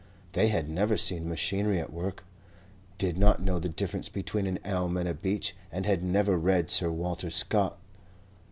They had never seen machinery at work, did not know the difference between an elm and a beech and had never read Sir Walter Scott.